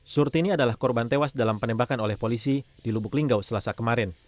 surtini adalah korban tewas dalam penembakan oleh polisi di lubuk linggau selasa kemarin